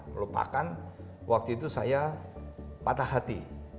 melupakan waktu itu saya patah hati